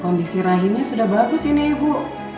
kondisi rahimnya sudah bagus ini ibu